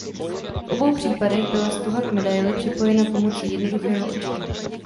V obou případech byla stuha k medaili připojena pomocí jednoduchého očka.